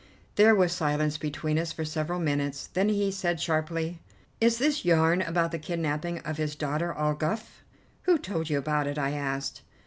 There was silence between us for several minutes, then he said sharply: "Is this yarn about the kidnapping of his daughter all guff?" "Who told you about it?" I asked.